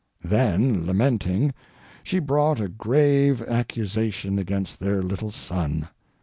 Then, lamenting, she brought a grave accusation against their little son.